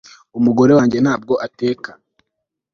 umugore wanjye ntabwo ateka